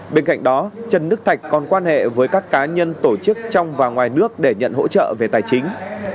bên cạnh đó trần đức thạch còn quan hệ với các cá nhân tổ chức trong và ngoài nước để nhận hỗ trợ về tài chính